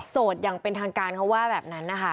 อย่างเป็นทางการเขาว่าแบบนั้นนะคะ